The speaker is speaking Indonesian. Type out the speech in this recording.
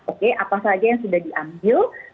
oke apa saja yang sudah diambil